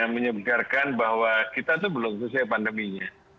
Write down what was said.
menyegarkan bahwa kita itu belum selesai pandeminya